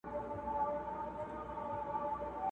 نیم پر تخت د شاه جهان نیم قلندر دی!.